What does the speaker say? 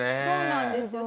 そうなんです。